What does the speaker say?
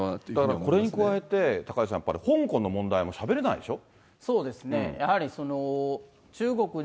だからこれに加えて、高井さん、やっぱり香港の問題もしゃべれないでしょ。